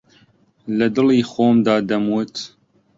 لەدڵی خۆمدا دەموت